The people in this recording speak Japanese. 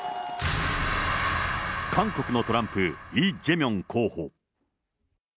韓国のトランプ、イ・ジェミョン候補。